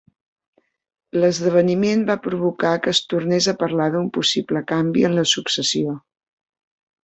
L'esdeveniment va provocar que es tornés a parlar d'un possible canvi en la successió.